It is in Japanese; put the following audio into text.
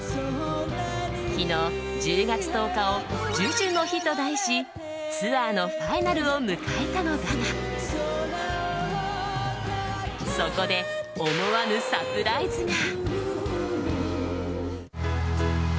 昨日、１０月１０日をＪＵＪＵの日と題しツアーのファイナルを迎えたのだがそこで、思わぬサプライズが！